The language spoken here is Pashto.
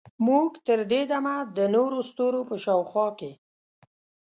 موږ تر دې دمه د نورو ستورو په شاوخوا کې